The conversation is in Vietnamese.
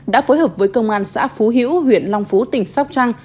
đã phối hợp với công an xã phú hữu huyện long phú tỉnh sóc trăng